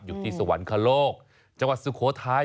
อยู่ที่สวรรคโลกจังหวัดสุโขทัย